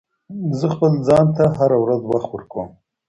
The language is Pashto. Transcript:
زه خپل ځان ته هره ورځ وخت ورکوم.